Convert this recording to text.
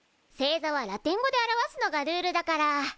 星座はラテン語で表すのがルールだから。